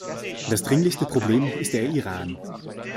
Das dringlichste Problem ist der Iran.